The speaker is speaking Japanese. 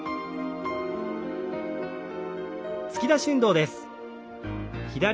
突き出し運動です。